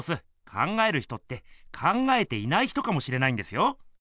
「考える人」って「考えていない人」かもしれないんですよ。